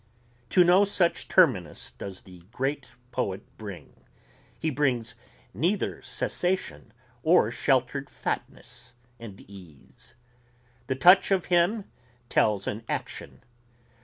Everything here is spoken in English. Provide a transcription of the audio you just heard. To no such terminus does the greatest poet bring ... he brings neither cessation or sheltered fatness and ease. The touch of him tells in action.